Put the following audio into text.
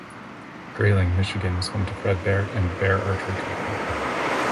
Grayling, Michigan was home to Fred Bear and Bear Archery Company.